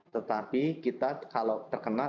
tetapi kita kalau terkena